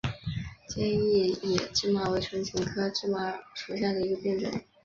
坚硬野芝麻为唇形科野芝麻属下的一个变种。